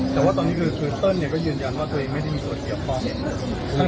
แต่ว่าตอนนี้คือคือเติ้ลเนี่ยก็ยืนยันว่าตัวเองไม่ได้มีคนเกี่ยวข้อง